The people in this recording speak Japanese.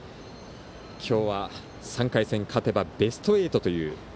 今日は３回戦勝てばベスト８という。